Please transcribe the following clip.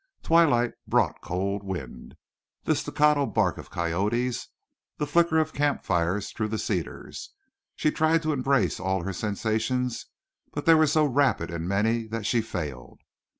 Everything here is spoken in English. Twilight brought cold wind, the staccato bark of coyotes, the flicker of camp fires through the cedars. She tried to embrace all her sensations, but they were so rapid and many that she failed.